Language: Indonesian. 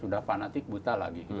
sudah fanatik buta lagi